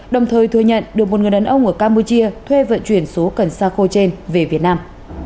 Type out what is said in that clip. đồng thời thừa nhận được một người đàn ông ở campuchia thuê vận chuyển số cần xa khô trên về việt nam